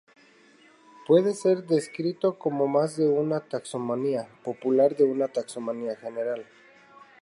Puede ser descrito como más de un taxonomía popular de una taxonomía general.